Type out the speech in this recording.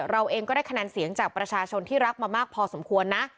เราเองก็ได้คะแนนเสียงจากประชาชนที่รักมามากพอสมควรนะ